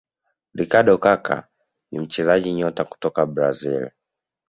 ricardo Kaka ni mchezaji nyota kutoka brazil